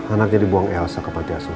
anaknya dibuang elsa ke patiasua